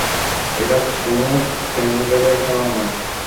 এটা কোনো কার্নিভ্যালের খেলা নয়।